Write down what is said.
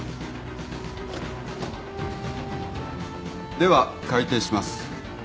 では開廷します。